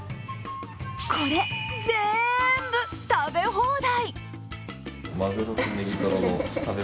これ、全部食べ放題。